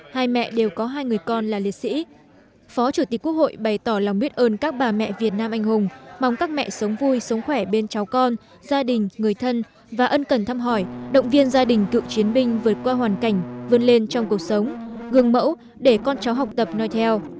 hai mẹ đều có hai người con là liệt sĩ phó chủ tịch quốc hội bày tỏ lòng biết ơn các bà mẹ việt nam anh hùng mong các mẹ sống vui sống khỏe bên cháu con gia đình người thân và ân cần thăm hỏi động viên gia đình cựu chiến binh vượt qua hoàn cảnh vươn lên trong cuộc sống gương mẫu để con cháu học tập nói theo